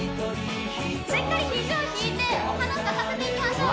しっかり肘を引いてお花咲かせていきましょう